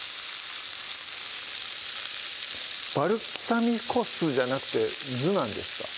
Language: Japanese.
バルサミコ酢じゃなくて酢なんですか？